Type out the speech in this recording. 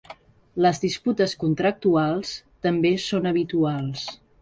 Les disputes contractuals també són habituals.